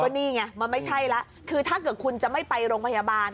นี่ไงมันไม่ใช่แล้วคือถ้าเกิดคุณจะไม่ไปโรงพยาบาล